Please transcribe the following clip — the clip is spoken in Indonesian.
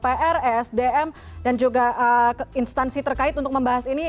pr esdm dan juga instansi terkait untuk membahas ini